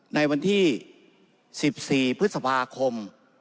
ท่านประธาน